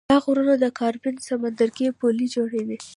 دا غرونه د کارابین سمندرګي پولې جوړوي.